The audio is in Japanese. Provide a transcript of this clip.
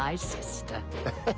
アハハハ。